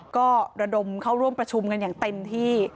ก็ระดมเข้าร่วมประชุมกันอย่างเต็มที่